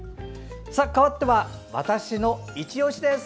かわっては「＃わたしのいちオシ」です。